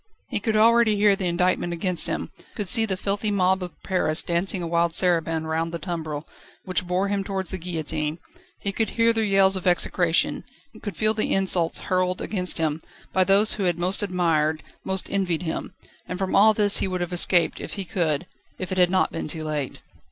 He could already hear the indictment against him, could see the filthy mob of Paris dancing a wild saraband round the tumbril, which bore him towards the guillotine; he could hear their yells of execration, could feel the insults hurled against him, by those who had most admired, most envied him. And from all this he would have escaped if he could, if it had not been too late.